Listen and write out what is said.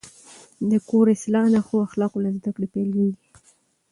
د کور اصلاح د ښو اخلاقو له زده کړې پیلېږي.